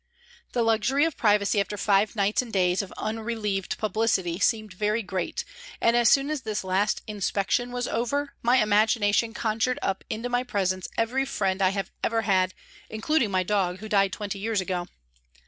The luxury of privacy after five nights and days of unrelieved publicity seemed very great, and as soon as this last " inspection " was over my imagination conjured up into my presence every friend I have ever had, including my dog who died twenty years ago.